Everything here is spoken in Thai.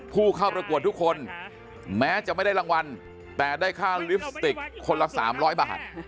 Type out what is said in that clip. ผู้เข้าประกวดทุกคนแม้จะไม่ได้รางวัลแต่ได้ค่าลิปสติกคนละ๓๐๐บาท